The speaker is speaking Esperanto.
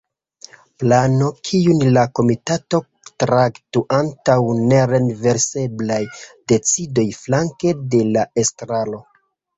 Plano kiun la komitato traktu antaŭ nerenverseblaj decidoj flanke de la estraro.